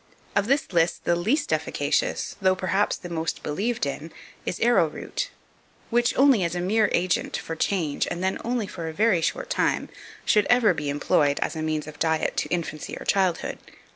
Of this list the least efficacious, though, perhaps, the most believed in, is arrowroot, which only as a mere agent, for change, and then only for a very short time, should ever be employed as a means of diet to infancy or childhood.